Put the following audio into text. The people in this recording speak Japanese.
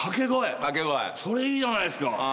それいいじゃないっすか。